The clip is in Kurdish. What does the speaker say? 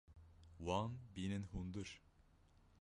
Wan bînin hundir.